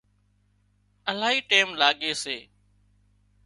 الاهي ٽيم لاڳي سي